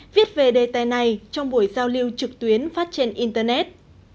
viết về đề tài này trong buổi giao lưu trực tuyến phát trên internet